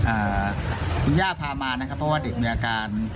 อ่าคุณย่าพามานะครับเพราะว่าเด็กมีอาการ